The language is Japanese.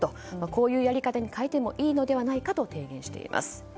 こういうやり方に変えてもいいのではないかと提言しています。